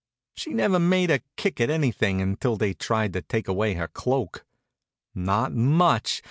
She never made a kick at anything until they tried to take away her cloak. Not much!